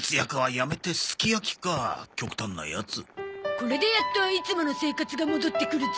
これでやっといつもの生活が戻ってくるゾ！